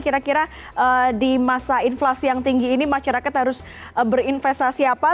kira kira di masa inflasi yang tinggi ini masyarakat harus berinvestasi apa